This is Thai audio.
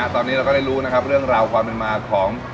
ตอนนี้เราก็ได้รู้นะครับเรื่องราวความเป็นมาของ